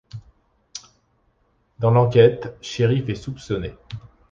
Dans l'enquète, Cherif est soupçonné.